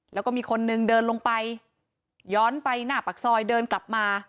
แล้วก็มีคนนึงเดินลงไปย้อนไปหน้าปากซอยเดินกลับมา